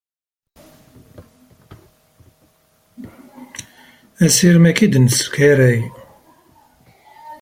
Asirem-agi i d-neskaray.